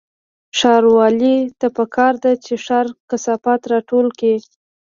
ښاروالۍ ته پکار ده چې ښاري کثافات راټول کړي